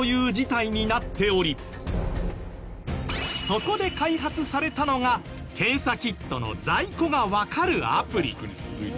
そこで開発されたのが検査キットの在庫がわかるアプリ。